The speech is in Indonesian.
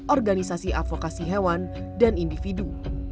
organisasi advokasi hewan dan individu